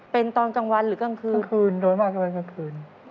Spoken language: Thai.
เป็นตอนกลางวันหรือกลางคืนกลางคืนโดยมากกลางวันกลางคืน